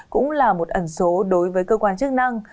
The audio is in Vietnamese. cũng là một ẩn số đối với cơ quan chức năng